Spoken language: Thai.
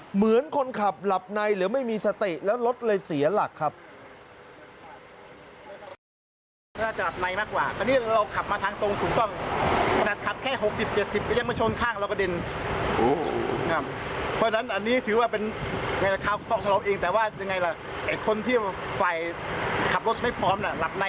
เหมือนคนขับหลับในหรือไม่มีสติแล้วรถเลยเสียหลักครับ